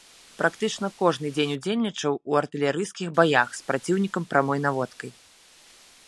Практычна кожны дзень удзельнічаў у артылерыйскіх баях з праціўнікам прамой наводкай.